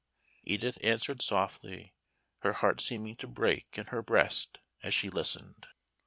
Edith answered softly, her heart seeming to break in her breast as she listened.